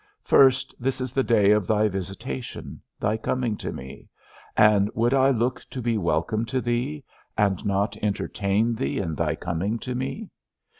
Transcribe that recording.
First, this is the day of thy visitation, thy coming to me; and would I look to be welcome to thee, and not entertain thee in thy coming to me?